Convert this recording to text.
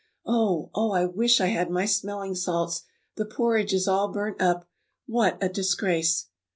"Oh, oh, I wish I had my smelling salts! The porridge is all burnt up! What a disgrace!"